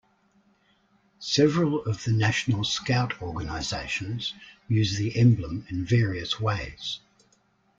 Several of the national Scout organizations use the emblem in various ways.